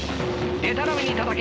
でたらめにたたけ。